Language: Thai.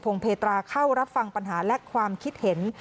เพตราเข้ารับฟังปัญหาและความคิดเห็น